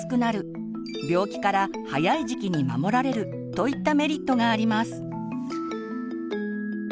といったメリットがあります。